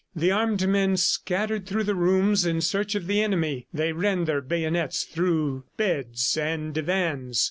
The armed men scattered through the rooms in search of the enemy. They ran their bayonets through beds and divans.